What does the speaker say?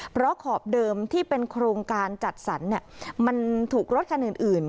เพราะขอบเดิมที่เป็นโครงการจัดสรรมันถูกรถคันอื่น